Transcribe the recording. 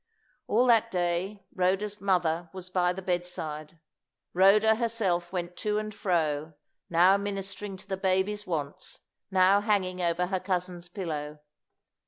All that day Rhoda's mother was by the bedside. Rhoda herself went to and fro, now ministering to the baby's wants, now hanging over her cousin's pillow.